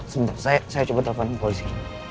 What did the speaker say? sebentar saya coba telepon polisi